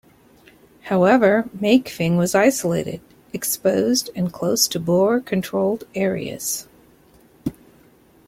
However, Mafeking was isolated, exposed and close to Boer controlled areas.